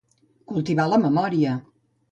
Cultivar la memòria.